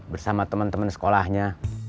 bersama temen temen sekolahnya